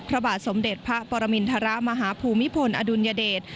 พระบาทสมเด็จพระปรมินทรมาฮภูมิพลอดุลยเดช